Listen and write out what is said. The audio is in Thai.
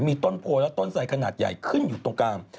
มีต้นโพและต้นไสขนาดใหญ่ขึ้นอยู่ตรงกลาง